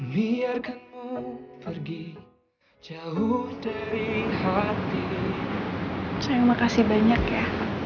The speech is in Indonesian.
sayang makasih banyak ya